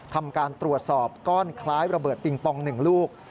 ทำการตรวจสอบก้อนคล้ายระเบิดปิงปอง๑ลูก